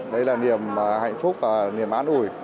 đấy là niềm hạnh phúc và niềm án ủi